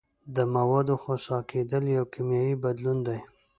د موادو خسا کیدل یو کیمیاوي بدلون دی.